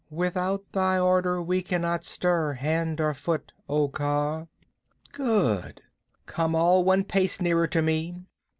"Without thy order we cannot stir foot or hand, O Kaa!" "Good! Come all one pace nearer to me."